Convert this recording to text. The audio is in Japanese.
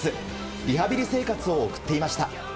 リハビリ生活を送っていました。